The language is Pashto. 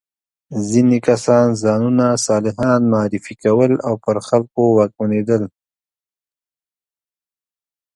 ځینې کسان ځانونه صالحان معرفي کول او پر خلکو واکمنېدل.